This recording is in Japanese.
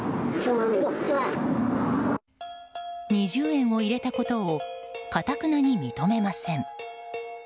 ２０円を入れたことをかたくなに認めません。